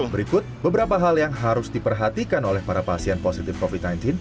berikut beberapa hal yang harus diperhatikan oleh para pasien positif covid sembilan belas